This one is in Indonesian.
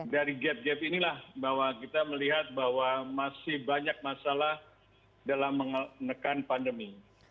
dari gap gap inilah bahwa kita melihat bahwa masih banyak masalah dalam menekan pandemi